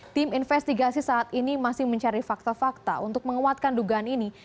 tim investigasi saat ini masih mencari fakta fakta untuk menguatkan dugaan ini